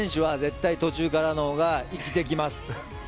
三笘選手は絶対途中からの方が生きていきます。